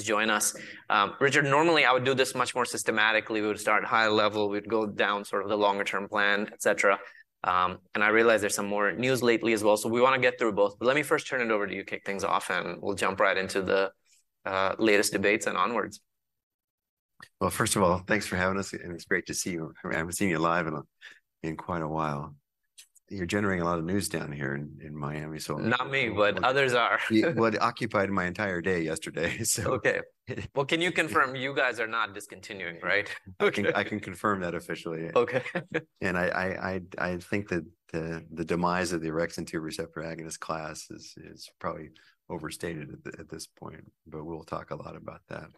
Please join us. Richard, normally I would do this much more systematically. We would start high level, we'd go down sort of the longer term plan, et cetera. And I realize there's some more news lately as well, so we want to get through both. But let me first turn it over to you, kick things off, and we'll jump right into the latest debates and onwards. Well, first of all, thanks for having us, and it's great to see you. I mean, I haven't seen you live in quite a while. You're generating a lot of news down here in Miami, so. Not me, but others are. Well, it occupied my entire day yesterday, so - Okay. Well, can you confirm you guys are not discontinuing, right? I can, I can confirm that officially. Okay. I think that the demise of the orexin 2 receptor agonist class is probably overstated at this point, but we'll talk a lot about that.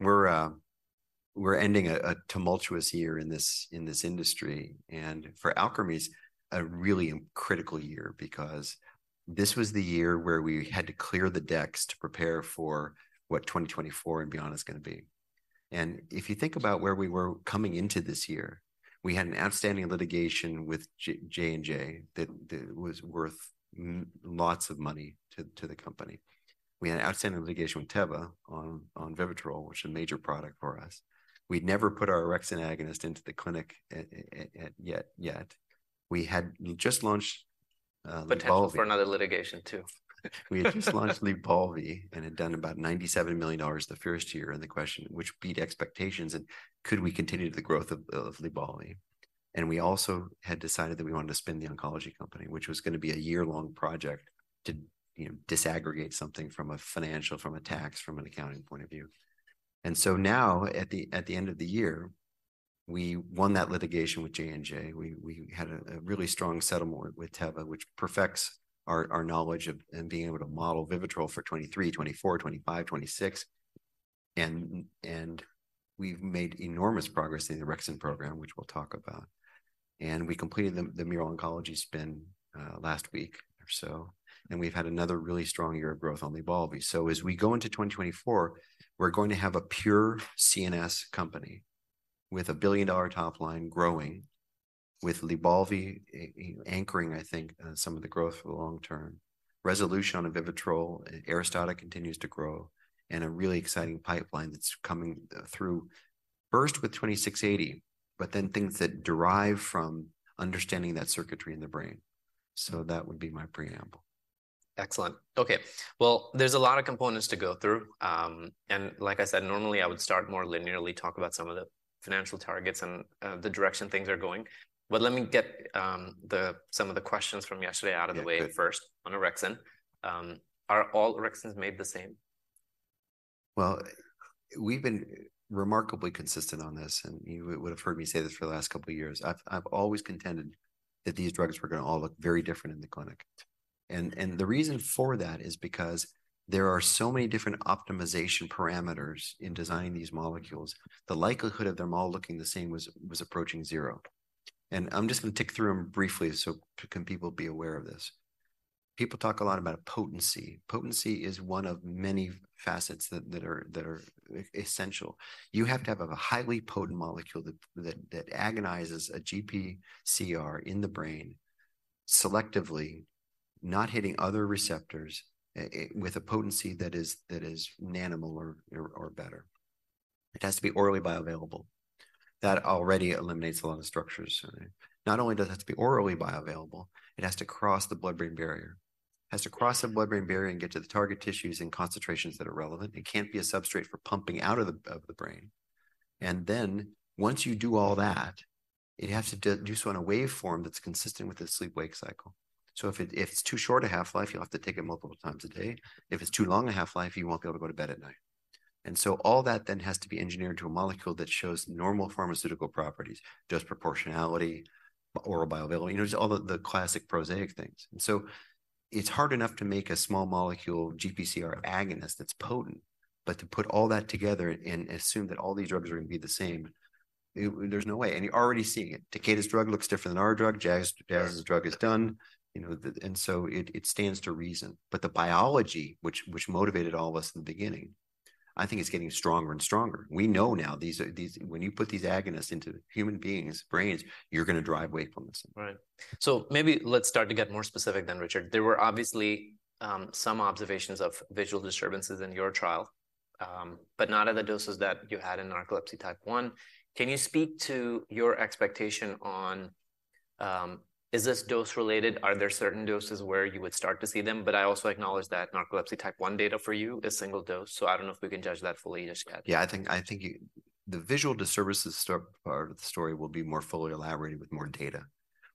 We're ending a tumultuous year in this industry, and for Alkermes, a really critical year, because this was the year where we had to clear the decks to prepare for what 2024 and beyond is going to be. If you think about where we were coming into this year, we had an outstanding litigation with J&J, that was worth lots of money to the company. We had outstanding litigation with Teva on VIVITROL, which is a major product for us. We'd never put our orexin agonist into the clinic yet. We had just launched LYBALVI- Potential for another litigation, too. We had just launched LYBALVI, and had done about $97 million the first year, and the question, which beat expectations, and could we continue the growth of, of LYBALVI? And we also had decided that we wanted to spin the oncology company, which was going to be a year-long project to, you know, disaggregate something from a financial, from a tax, from an accounting point of view. And so now, at the, at the end of the year, we won that litigation with J&J. We, we had a, a really strong settlement with Teva, which perfects our, our knowledge of... in being able to model VIVITROL for 2023, 2024, 2025, 2026. And, and we've made enormous progress in the orexin program, which we'll talk about. And we completed the, the Mural Oncology spin, last week or so, and we've had another really strong year of growth on LYBALVI. So as we go into 2024, we're going to have a pure CNS company with a billion-dollar top line growing, with LYBALVI anchoring, I think, some of the growth for the long term. Resolution on VIVITROL. ARISTADA continues to grow, and a really exciting pipeline that's coming through, first with 2680, but then things that derive from understanding that circuitry in the brain. So that would be my preamble. Excellent. Okay, well, there's a lot of components to go through. And like I said, normally I would start more linearly, talk about some of the financial targets and, the direction things are going. But let me get, some of the questions from yesterday out of the way- Yeah... first on orexin. Are all orexins made the same? Well, we've been remarkably consistent on this, and you would have heard me say this for the last couple of years. I've always contended that these drugs were going to all look very different in the clinic, and the reason for that is because there are so many different optimization parameters in designing these molecules. The likelihood of them all looking the same was approaching zero. I'm just going to tick through them briefly, so can people be aware of this. People talk a lot about potency. Potency is one of many facets that are essential. You have to have a highly potent molecule that agonizes a GPCR in the brain, selectively not hitting other receptors, with a potency that is nanomolar or better. It has to be orally bioavailable. That already eliminates a lot of structures. Not only does it have to be orally bioavailable, it has to cross the blood-brain barrier. It has to cross the blood-brain barrier and get to the target tissues in concentrations that are relevant. It can't be a substrate for pumping out of the brain. And then, once you do all that, it has to do so on a waveform that's consistent with the sleep-wake cycle. So if it's too short a half-life, you'll have to take it multiple times a day. If it's too long a half-life, you won't be able to go to bed at night. And so all that then has to be engineered to a molecule that shows normal pharmaceutical properties, dose proportionality, oral bioavailability, you know, just all the, the classic, prosaic things. And so it's hard enough to make a small molecule GPCR agonist that's potent, but to put all that together and assume that all these drugs are going to be the same, there's no way, and you're already seeing it. Takeda's drug looks different than our drug. Jazz- Yes... Jazz's drug is done, you know. And so it stands to reason. But the biology, which motivated all of us in the beginning, I think is getting stronger and stronger. We know now, these when you put these agonists into human beings' brains, you're going to drive wakefulness. Right. So maybe let's start to get more specific then, Richard. There were obviously, some observations of visual disturbances in your trial, but not at the doses that you had in Narcolepsy Type 1. Can you speak to your expectation on, is this dose-related? Are there certain doses where you would start to see them? But I also acknowledge that Narcolepsy Type 1 data for you is single dose, so I don't know if we can judge that fully just yet. Yeah, I think the visual disturbances story will be more fully elaborated with more data.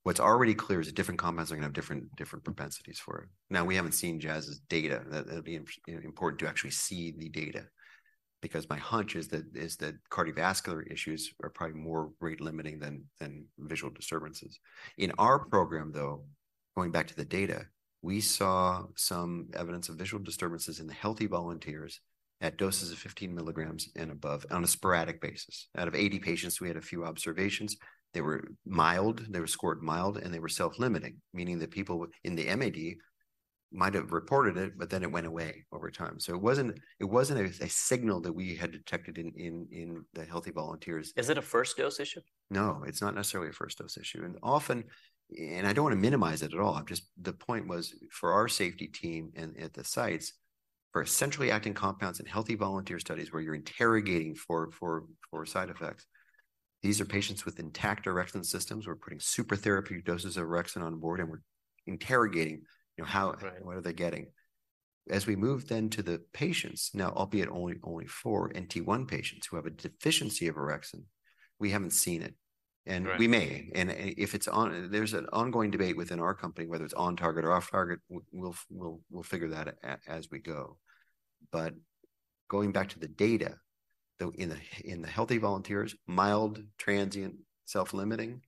What's already clear is that different compounds are going to have different propensities for it. Now, we haven't seen Jazz's data. That'll be, you know, important to actually see the data, because my hunch is that cardiovascular issues are probably more rate-limiting than visual disturbances. In our program, though, going back to the data, we saw some evidence of visual disturbances in the healthy volunteers at doses of 15 milligrams and above on a sporadic basis. Out of 80 patients, we had a few observations. They were mild, they were scored mild, and they were self-limiting, meaning that people in the MAD might have reported it, but then it went away over time. So it wasn't a signal that we had detected in the healthy volunteers. Is it a first-dose issue? No, it's not necessarily a first-dose issue, and often. And I don't want to minimize it at all. I'm just, the point was, for our safety team and at the sites, for centrally acting compounds in healthy volunteer studies where you're interrogating for side effects. These are patients with intact orexin systems. We're putting super therapeutic doses of orexin on board, and we're interrogating, you know, how- Right. What are they getting? As we move then to the patients, now, albeit only four NT1 patients who have a deficiency of orexin, we haven't seen it. Right. We may if it's on, there's an ongoing debate within our company, whether it's on target or off target. We'll figure that as we go. But going back to the data, though, in the healthy volunteers, mild, transient, self-limiting,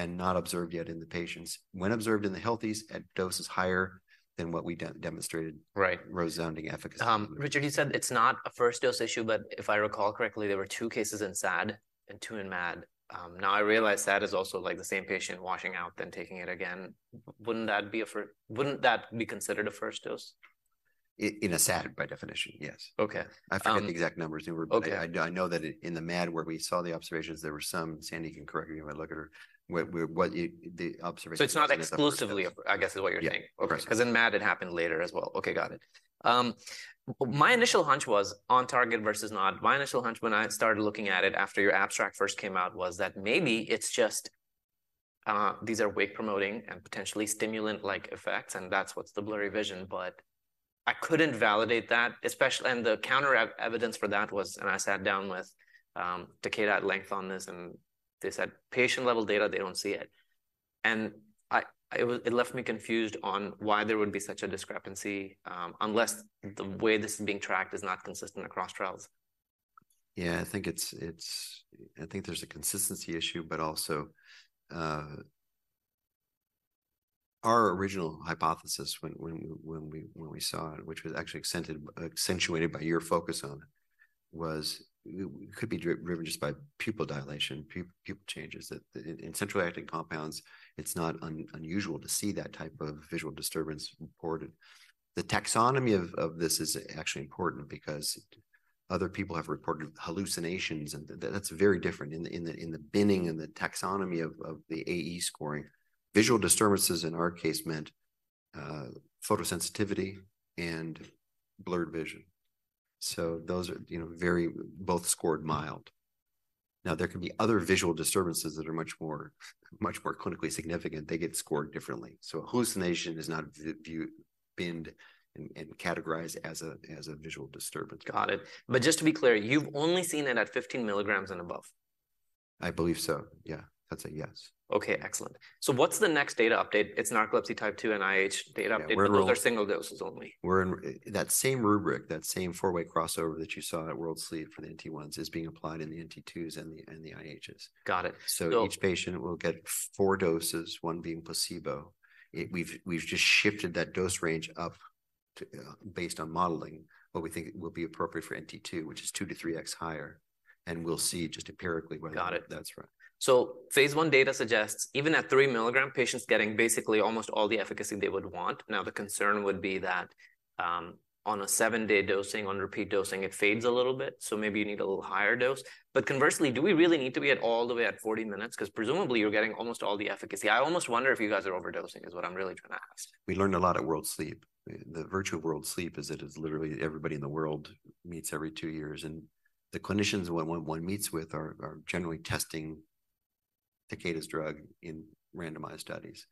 and not observed yet in the patients. When observed in the healthies, at doses higher than what we demonstrated. Right... rosetting efficacy. Richard, you said it's not a first dose issue, but if I recall correctly, there were two cases in SAD and two in MAD. Now, I realize SAD is also like the same patient washing out, then taking it again. Wouldn't that be considered a first dose? In a SAD, by definition, yes. Okay, um- I forget the exact numbers. They were- Okay. I know that in the MAD, where we saw the observations, there were some. Sandy can correct me if I look at her, what, where, what it—the observations- It's not exclusively, I guess is what you're saying. Yeah. Correct. Okay, 'cause in MAD, it happened later as well. Okay, got it. My initial hunch was on target versus not. My initial hunch when I started looking at it after your abstract first came out, was that maybe it's just, these are wake promoting and potentially stimulant-like effects, and that's what's the blurry vision. But I couldn't validate that, especially, and the counter evidence for that was, and I sat down with, Takeda at length on this, and they said, patient-level data, they don't see it. And I, it left me confused on why there would be such a discrepancy, unless the way this is being tracked is not consistent across trials. Yeah, I think it's—I think there's a consistency issue, but also, our original hypothesis when we saw it, which was actually accentuated by your focus on it, was it could be driven just by pupil dilation, pupil changes. That in centrally acting compounds, it's not unusual to see that type of visual disturbance reported. The taxonomy of this is actually important because other people have reported hallucinations, and that's very different. In the binning and the taxonomy of the AE scoring, visual disturbances in our case meant, photosensitivity and blurred vision. So those are, you know, very... Both scored mild. Now, there can be other visual disturbances that are much more clinically significant. They get scored differently. A hallucination is not viewed, binned, and categorized as a visual disturbance. Got it. But just to be clear, you've only seen that at 15 milligrams and above? I believe so. Yeah, that's a yes. Okay, excellent. So what's the next data update? It's Narcolepsy Type 2 and IH data update. We're in- Those are single doses only. We're in that same rubric, that same four-way crossover that you saw at World Sleep for the NT1s, is being applied in the NT2s and the IHs. Got it. Each patient will get four doses, one being placebo. We've just shifted that dose range up to, based on modeling what we think will be appropriate for NT2, which is two to three x higher, and we'll see just empirically whether- Got it... that's right. So phase 1 data suggests, even at 3 mg, patients getting basically almost all the efficacy they would want. Now, the concern would be that, on a 7-day dosing, on repeat dosing, it fades a little bit, so maybe you need a little higher dose. But conversely, do we really need to be at all the way at 40 minutes? 'Cause presumably, you're getting almost all the efficacy. I almost wonder if you guys are overdosing, is what I'm really trying to ask. We learned a lot at World Sleep. The virtue of World Sleep is that it's literally everybody in the world meets every two years, and the clinicians one meets with are generally testing Takeda's drug in randomized studies.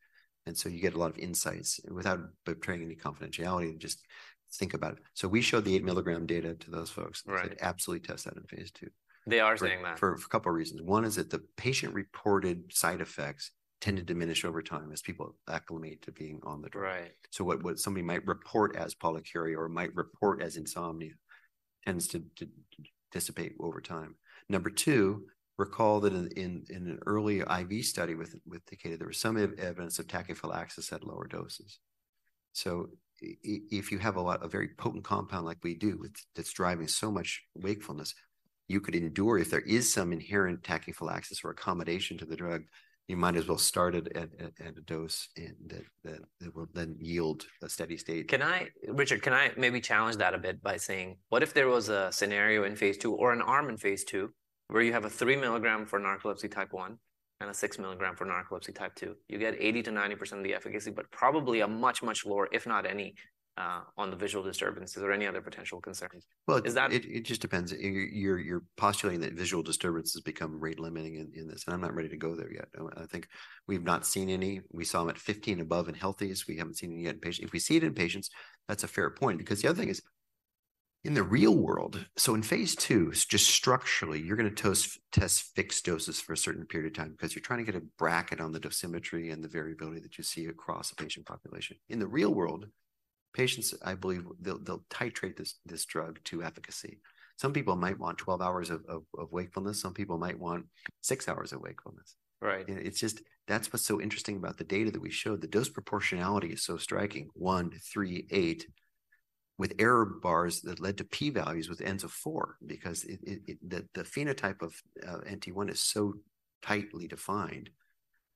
And so you get a lot of insights without betraying any confidentiality, and just think about it. So we showed the 8-milligram data to those folks. Right. They said, "Absolutely test that in phase two. They are saying that. For a couple of reasons. One is that the patient-reported side effects tend to diminish over time as people acclimate to being on the drug. Right. So what somebody might report as polyuria or might report as insomnia tends to dissipate over time. Number two, recall that in an early IV study with Takeda, there was some evidence of tachyphylaxis at lower doses. So if you have a very potent compound like we do, that's driving so much wakefulness, you could endure. If there is some inherent tachyphylaxis or accommodation to the drug, you might as well start it at a dose that will then yield a steady state. Can I... Richard, can I maybe challenge that a bit by saying, what if there was a scenario in phase two or an arm in phase two, where you have a 3 milligram for narcolepsy Type 1 and a 6 milligram for narcolepsy Type 2? You get 80%-90% of the efficacy, but probably a much, much lower, if not any, on the visual disturbance. Is there any other potential concerns? Well- Is that-... it just depends. You're postulating that visual disturbance has become rate limiting in this, and I'm not ready to go there yet. I think we've not seen any. We saw them at 15 and above in healthies. We haven't seen any yet in patients. If we see it in patients, that's a fair point, because the other thing is, in the real world, so in phase two, just structurally, you're gonna test fixed doses for a certain period of time because you're trying to get a bracket on the dosimetry and the variability that you see across the patient population. In the real world, patients, I believe, they'll titrate this drug to efficacy. Some people might want 12 hours of wakefulness, some people might want 6 hours of wakefulness. Right. And it's just. That's what's so interesting about the data that we showed. The dose proportionality is so striking, 1, 3, 8, with error bars that led to p values with Ns of 4, because the phenotype of NT1 is so tightly defined.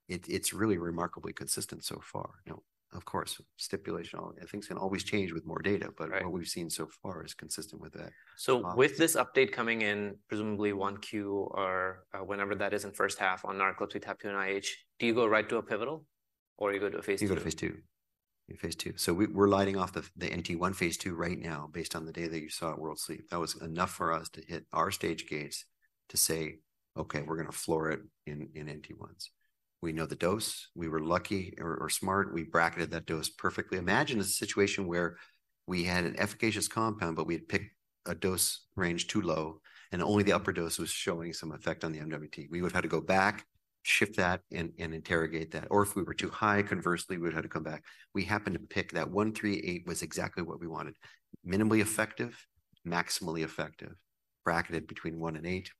It's really remarkably consistent so far. You know, of course, stipulation, and things can always change with more data- Right... but what we've seen so far is consistent with that. So with this update coming in, presumably 1Q or, whenever that is in first half on Narcolepsy Type 2 and IH, do you go right to a pivotal?... or you go to a phase II? You go to phase II. In phase II. So we're lighting off the NT1 phase II right now, based on the data that you saw at World Sleep. That was enough for us to hit our stage gates to say, "Okay, we're gonna floor it in NT1s." We know the dose. We were lucky or smart, we bracketed that dose perfectly. Imagine a situation where we had an efficacious compound, but we had picked a dose range too low, and only the upper dose was showing some effect on the MWT. We would've had to go back, shift that, and interrogate that. Or if we were too high, conversely, we would've had to come back. We happened to pick that 1, 3, 8 was exactly what we wanted. Minimally effective, maximally effective, bracketed between 1 and 8,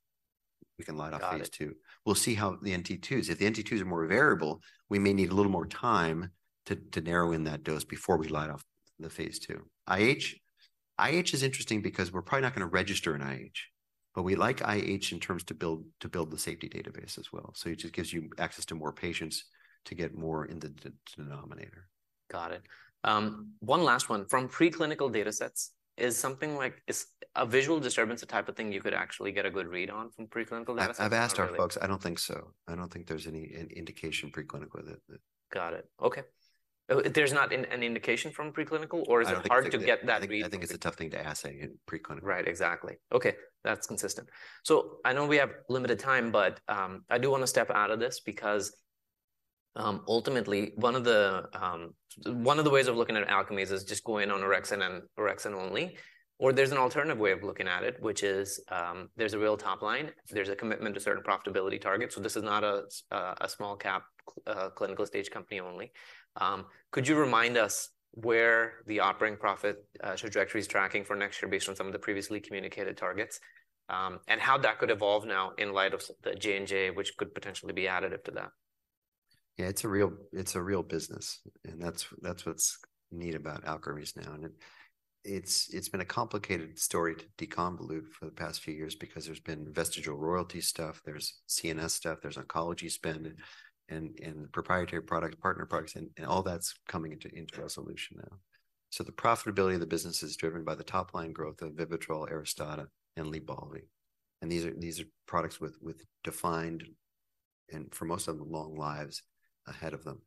we can light off phase II. Got it. We'll see how the NT2s... If the NT2s are more variable, we may need a little more time to narrow in that dose before we light off the phase 2. IH, IH is interesting because we're probably not gonna register an IH, but we like IH in terms to build the safety database as well. So it just gives you access to more patients to get more in the denominator. Got it. One last one. From preclinical data sets, is something like is a visual disturbance the type of thing you could actually get a good read on from preclinical data sets? I've asked our folks. I don't think so. I don't think there's any indication preclinical that— Got it. Okay. There's not any indication from preclinical, or is it hard to get that read? I think it's a tough thing to assay in preclinical. Right. Exactly. Okay, that's consistent. So I know we have limited time, but I do wanna step out of this, because ultimately one of the ways of looking at Alkermes is just going on orexin and orexin only, or there's an alternative way of looking at it, which is there's a real top line. There's a commitment to certain profitability targets, so this is not a small cap clinical stage company only. Could you remind us where the operating profit trajectory is tracking for next year based on some of the previously communicated targets, and how that could evolve now in light of the J&J, which could potentially be additive to that? Yeah, it's a real, it's a real business, and that's, that's what's neat about Alkermes now, and it, it's, it's been a complicated story to deconvolute for the past few years because there's been vestigial royalty stuff, there's CNS stuff, there's oncology spend, and, and, and proprietary products, partner products, and, and all that's coming into, into resolution now. So the profitability of the business is driven by the top-line growth of VIVITROL, ARISTADA, and LYBALVI. And these are, these are products with, with defined, and for most of them, long lives ahead of them.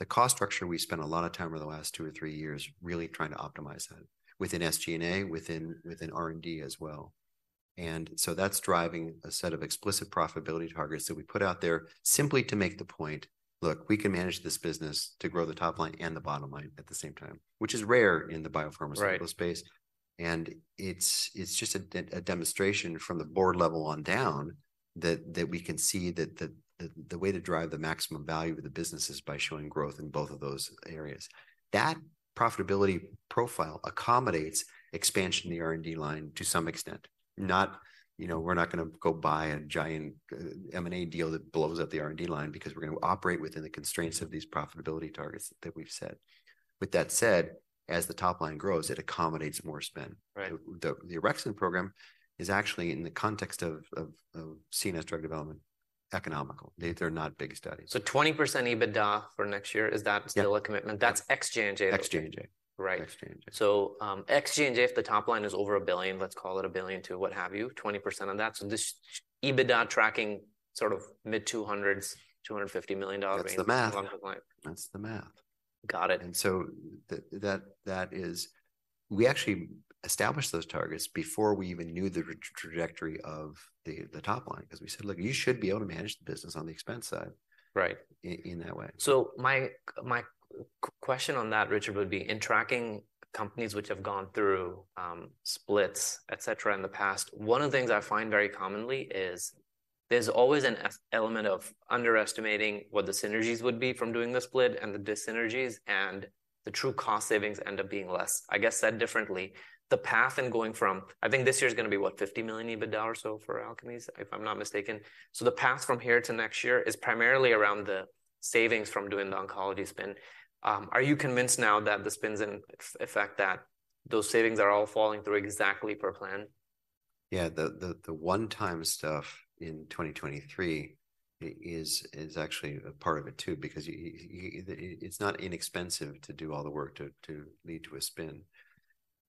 The cost structure, we spent a lot of time over the last two or three years really trying to optimize that within SG&A, within, within R&D as well. And so that's driving a set of explicit profitability targets that we put out there simply to make the point, "Look, we can manage this business to grow the top line and the bottom line at the same time," which is rare in the biopharmaceutical space. Right. And it's just a demonstration from the board level on down that we can see that the way to drive the maximum value of the business is by showing growth in both of those areas. That profitability profile accommodates expansion in the R&D line to some extent. Not... You know, we're not gonna go buy a giant M&A deal that blows up the R&D line, because we're gonna operate within the constraints of these profitability targets that we've set. With that said, as the top line grows, it accommodates more spend. Right. The orexin program is actually, in the context of CNS drug development, economical. They're not big studies. 20% EBITDA for next year, is that? Yeah Still a commitment? That's ex J&J. Ex J&J. Right. Ex J&J. So, ex J&J, if the top line is over $1 billion, let's call it $1 billion to what have you, 20% on that. So just EBITDA tracking sort of mid-200s, $250 million- That's the math. - Bottom line. That's the math. Got it. And so that is... We actually established those targets before we even knew the trajectory of the top line, 'cause we said, "Look, you should be able to manage the business on the expense side- Right in that way. So my question on that, Richard, would be: in tracking companies which have gone through splits, et cetera, in the past, one of the things I find very commonly is there's always an element of underestimating what the synergies would be from doing the split and the dis-synergies, and the true cost savings end up being less. I guess, said differently, the path in going from... I think this year's gonna be, what, $50 million EBITDA or so for Alkermes, if I'm not mistaken. So the path from here to next year is primarily around the savings from doing the oncology spin. Are you convinced now that the spin's in effect, that those savings are all falling through exactly per plan? Yeah, the one-time stuff in 2023 is actually a part of it, too, because it's not inexpensive to do all the work to lead to a spin.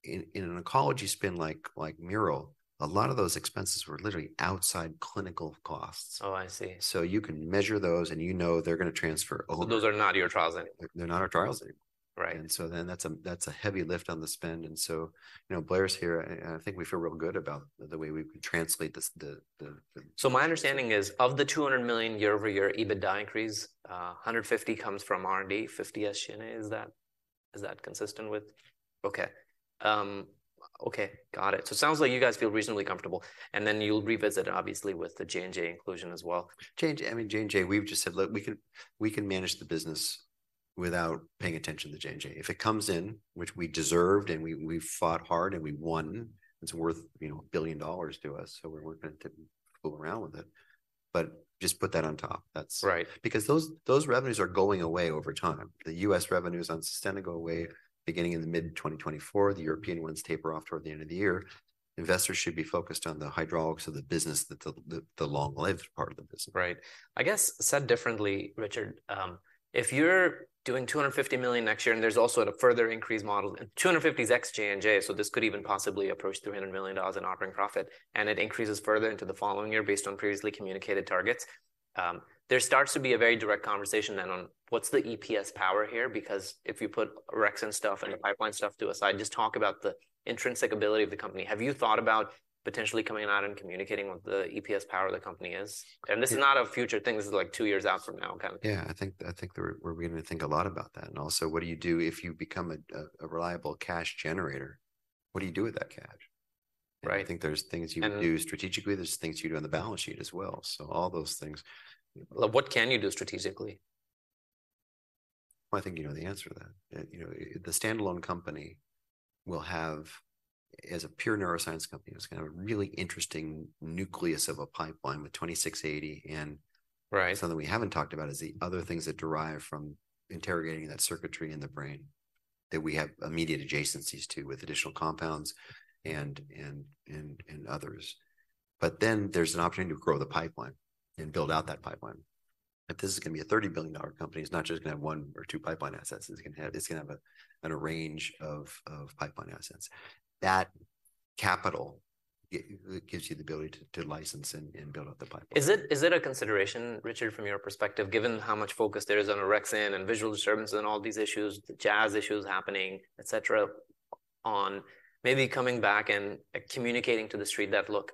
In an oncology spin like Mural, a lot of those expenses were literally outside clinical costs. Oh, I see. So you can measure those, and you know they're gonna transfer over. Those are not your trials anymore. They're not our trials anymore. Right. And so then that's a heavy lift on the spend. And so, you know, Blair's here, and I think we feel real good about the way we translate this. So my understanding is, of the $200 million year-over-year EBITDA increase, $150 comes from R&D, $50 SG&A. Is that, is that consistent with… Okay. Okay, got it. So it sounds like you guys feel reasonably comfortable, and then you'll revisit it, obviously, with the J&J inclusion as well. J&J, I mean, J&J, we've just said, "Look, we can manage the business without paying attention to J&J." If it comes in, which we deserved, and we fought hard, and we won, it's worth, you know, $1 billion to us, so we're not going to fool around with it. But just put that on top. That's- Right. Because those revenues are going away over time. The U.S. revenues on Sustenna go away beginning in the mid-2024. The European ones taper off toward the end of the year. Investors should be focused on the hydraulics of the business, the long-lived part of the business. Right. I guess, said differently, Richard, if you're doing $250 million next year, and there's also a further increased model, and $250 million is ex J&J, so this could even possibly approach $300 million in operating profit, and it increases further into the following year based on previously communicated targets. There starts to be a very direct conversation then on what's the EPS power here? Because if you put orexin stuff and the pipeline stuff to aside, just talk about the intrinsic ability of the company. Have you thought about potentially coming out and communicating what the EPS power of the company is? And this is not a future thing, this is, like, two years out from now kind of thing. Yeah, I think that we're going to think a lot about that. And also, what do you do if you become a reliable cash generator? What do you do with that cash? Right. I think there's things you can do strategically. There's things you do on the balance sheet as well, so all those things. Well, what can you do strategically? I think you know the answer to that. You know, the standalone company will have, as a pure neuroscience company, it's got a really interesting nucleus of a pipeline with 2680, and- Right... something we haven't talked about is the other things that derive from interrogating that circuitry in the brain, that we have immediate adjacencies to, with additional compounds and others. But then there's an opportunity to grow the pipeline and build out that pipeline. If this is going to be a $30 billion company, it's not just going to have one or two pipeline assets. It's going to have a range of pipeline assets. That capital gives you the ability to license and build out the pipeline. Is it a consideration, Richard, from your perspective, given how much focus there is on orexin and visual disturbance and all these issues, the Jazz issues happening, et cetera, on maybe coming back and communicating to the street that, "Look,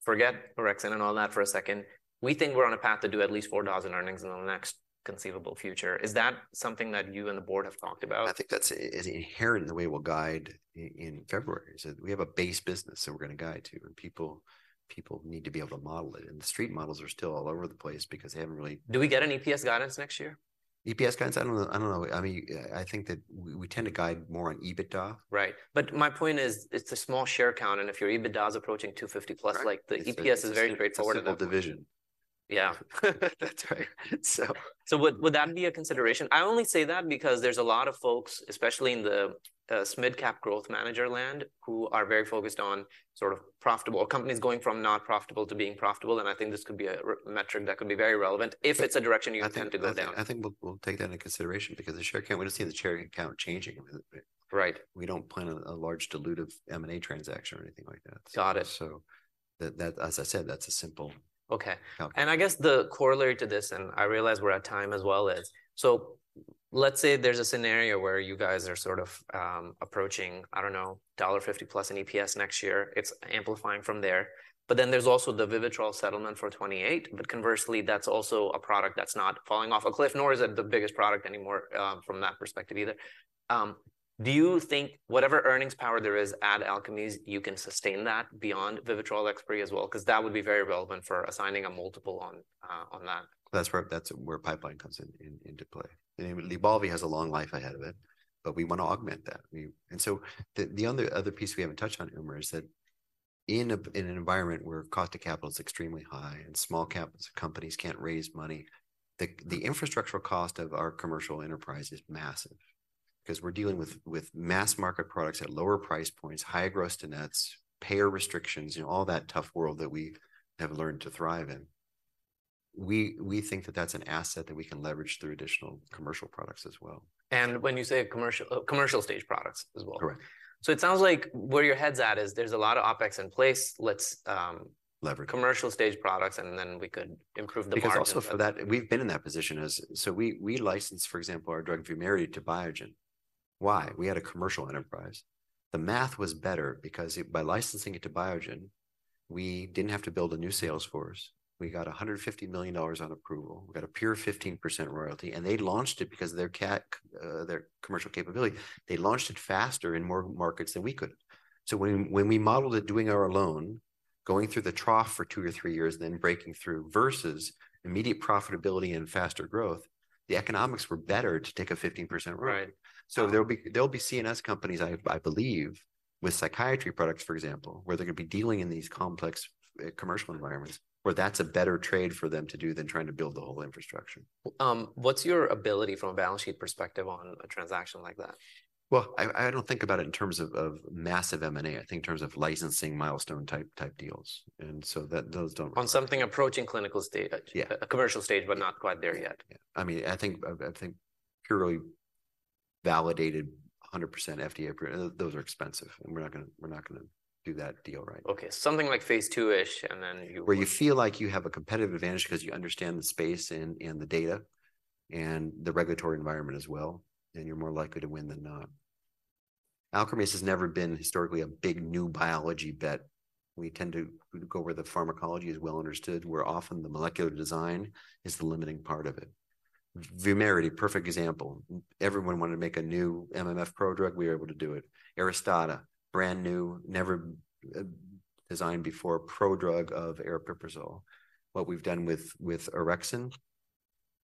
forget orexin and all that for a second. We think we're on a path to do at least $4 in earnings in the next conceivable future." Is that something that you and the board have talked about? I think that's inherent in the way we'll guide in February. So we have a base business that we're going to guide to, and people, people need to be able to model it, and the street models are still all over the place because they haven't really- Do we get an EPS guidance next year? EPS guidance? I don't know. I don't know. I mean, I think that we tend to guide more on EBITDA. Right. But my point is, it's a small share count, and if your EBITDA is approaching 250+. Right... like, the EPS is very straightforward. It's a simple division. Yeah. That's right. So would that be a consideration? I only say that because there's a lot of folks, especially in the midcap growth manager land, who are very focused on sort of profitable... companies going from not profitable to being profitable, and I think this could be a metric that could be very relevant if it's a direction you intend to go down. I think we'll take that into consideration because the share count, we don't see the share account changing. Right. We don't plan a large dilutive M&A transaction or anything like that. Got it. As I said, that's a simple- Okay... count. And I guess the corollary to this, and I realize we're at time as well, is, so let's say there's a scenario where you guys are sort of approaching, I don't know, $1.50+ in EPS next year. It's amplifying from there, but then there's also the VIVITROL settlement for 2028, but conversely, that's also a product that's not falling off a cliff, nor is it the biggest product anymore from that perspective either. Do you think whatever earnings power there is at Alkermes, you can sustain that beyond VIVITROL expiry as well? 'Cause that would be very relevant for assigning a multiple on, on that. That's where the pipeline comes into play. And LYBALVI has a long life ahead of it, but we want to augment that. And so the other piece we haven't touched on, Umar, is that in an environment where cost of capital is extremely high and small cap companies can't raise money, the infrastructural cost of our commercial enterprise is massive. 'Cause we're dealing with mass-market products at lower price points, high gross to nets, payer restrictions, you know, all that tough world that we've learned to thrive in. We think that that's an asset that we can leverage through additional commercial products as well. When you say a commercial, commercial stage products as well? Correct. So it sounds like where your head's at is there's a lot of OpEx in place, let's, Leverage... commercial stage products, and then we could improve the margin- Because also for that, we've been in that position as... So we, we licensed, for example, our drug VUMERITY to Biogen. Why? We had a commercial enterprise. The math was better because it, by licensing it to Biogen, we didn't have to build a new sales force. We got $150 million on approval. We got a pure 15% royalty, and they launched it because of their commercial capability. They launched it faster in more markets than we could. So when, when we modeled it, doing it alone, going through the trough for two or three years, then breaking through, versus immediate profitability and faster growth, the economics were better to take a 15% ride. Right. There'll be CNS companies, I believe, with psychiatry products, for example, where they're going to be dealing in these complex commercial environments, where that's a better trade for them to do than trying to build the whole infrastructure. What's your ability from a balance sheet perspective on a transaction like that? Well, I don't think about it in terms of massive M&A. I think in terms of licensing milestone-type deals, and so those don't- On something approaching clinical stage- Yeah... a commercial stage, but not quite there yet. Yeah. I mean, I think purely validated 100% FDA approval, those are expensive, and we're not gonna, we're not gonna do that deal right now. Okay, something like phase II-ish, and then you- Where you feel like you have a competitive advantage because you understand the space and, and the data, and the regulatory environment as well, then you're more likely to win than not. Alkermes has never been historically a big new biology bet. We tend to, to go where the pharmacology is well understood, where often the molecular design is the limiting part of it. VUMERITY, perfect example. Everyone wanted to make a new MMF prodrug, we were able to do it. ARISTADA, brand new, never designed before, prodrug of aripiprazole. What we've done with, with orexin,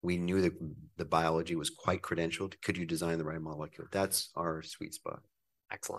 we knew that the biology was quite credentialed. Could you design the right molecule? That's our sweet spot. Excellent.